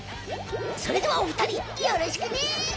それではおふたりよろしくね！